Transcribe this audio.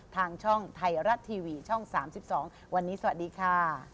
ทางช่องไทยรัฐทีวีช่อง๓๒วันนี้สวัสดีค่ะ